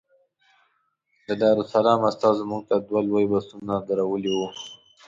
د دارالسلام استازو موږ ته دوه لوی بسونه درولي وو.